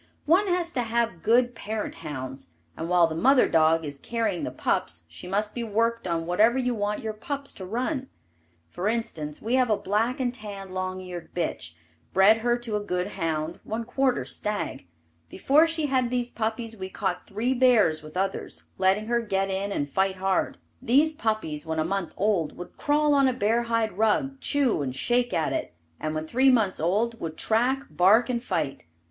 One has to have good parent hounds, and while the mother dog is carrying the pups she must be worked on whatever you want your pups to run. For instance, we have a black and tan long eared bitch, bred her to a good hound, one quarter stag. Before she had these puppies we caught three bears with others, letting her get in and fight hard. These puppies when a month old would crawl on a bear hide rug, chew and shake at it, and when three months old, would track, bark and fight.